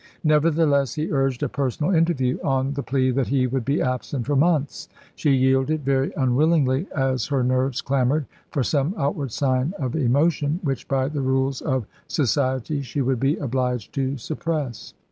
Nevertheless, he urged a personal interview, on the plea that he would be absent for months. She yielded very unwillingly, as her nerves clamoured for some outward sign of emotion, which by the rules of society she would be obliged to suppress.